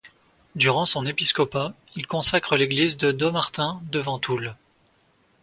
Durant son épiscopat, il consacre l'église de Dommartin devant Toul.